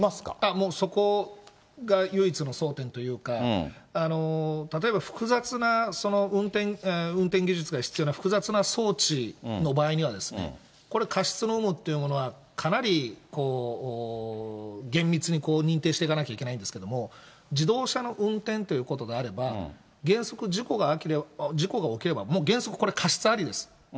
もうそこが唯一の争点というか、例えば、複雑な運転技術が必要な、複雑の装置の場合は、これ、過失の有無っていうものは、かなり厳密に認定していかなきゃいけないんですけれども、自動車の運転ということであれば、原則事故が起きれば、もう原則、これ過失ありです。